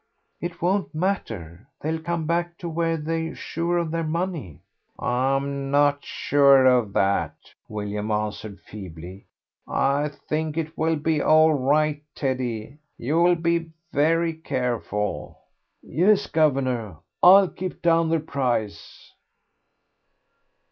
"It won't matter; they'll come back to where they're sure of their money." "I'm not so sure of that," William answered, feebly. "I think it will be all right, Teddy; you'll be very careful." "Yes, guv'nor, I'll keep down the price."